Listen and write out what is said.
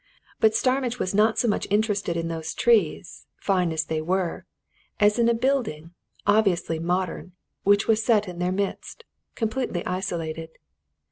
But Starmidge was not so much interested in those trees, fine as they were, as in a building; obviously modern, which was set in their midst, completely isolated.